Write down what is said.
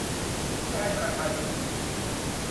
เพื่อให้ประชาชนที่อยู่ในชุมชน